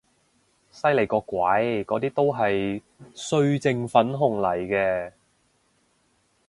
犀利個鬼，嗰啲都係歲靜粉紅嚟嘅